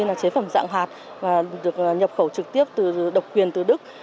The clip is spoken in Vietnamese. đặc biệt chế phẩm redoxi ba c là chế phẩm dạng hạt được nhập khẩu trực tiếp độc quyền từ đức